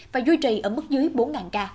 và duy trì ở mức dưới bốn ca